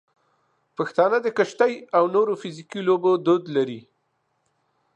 پښتانه د کشتۍ او نورو فزیکي لوبو دود لري.